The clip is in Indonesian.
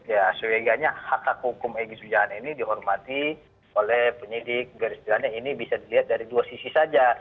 ya seyoganya hak hak hukum egy sujana ini dihormati oleh penyidik garis milana ini bisa dilihat dari dua sisi saja